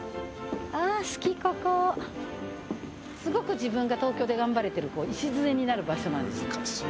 すごく自分が東京で頑張れてる礎になる場所なんです。